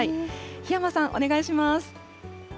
檜山さん、お願いします。